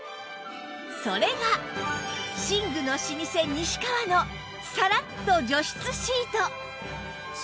それが寝具の老舗西川のサラッと除湿シート